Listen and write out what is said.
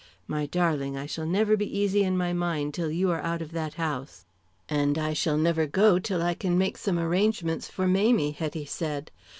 My darling, I shall never be easy in my mind till you are out of that house." "And I shall never go till I can make some arrangements for Mamie," Hetty said.